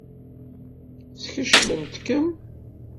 Skecment-kem?